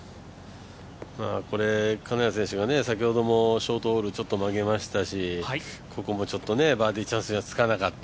金谷選手が先ほどもショートホール、ちょっと曲げましたし、ここもちょっとバーディーチャンスにはつかなかった。